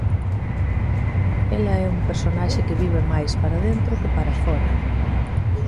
Ela é un personaxe que vive máis para dentro que para fóra.